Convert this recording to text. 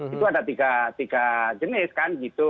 itu ada tiga jenis kan gitu